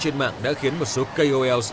trên mạng đã khiến một số kols